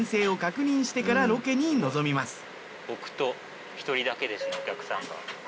僕と一人だけですねお客さんが。